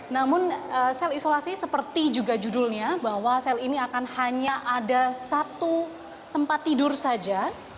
namun sel isolasi seperti juga judulnya bahwa sel ini akan hanya ada satu tempat tidur saja